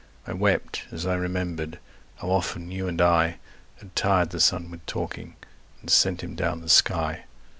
I wept as I remember'd how often you and I Had tired the sun with talking and sent him down the sky.